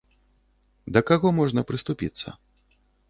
Да каго можна прыступіцца?